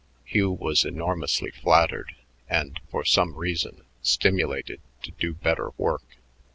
Hugh was enormously flattered and, for some reason, stimulated to do better work.